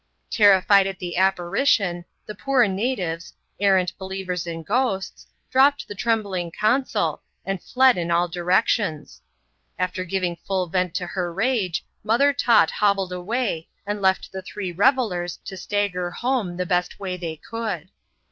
' Terrified at the apparition, the poor natives — arrant be lievers in ghosts — dropped the trembling consul, and fled in ail directions. After giving full vent to her rage. Mother Tot hobbled away, and left the three revellers to stagger home the best way they could.